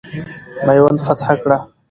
میوند فتح کړه.